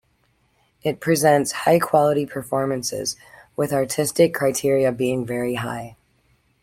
It presents high quality performances, with artistic criteria being very high.